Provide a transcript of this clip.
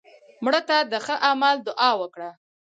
مړه ته د ښه عمل دعا وکړه